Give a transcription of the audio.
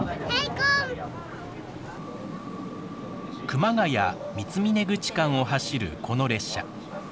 熊谷三峰口間を走るこの列車。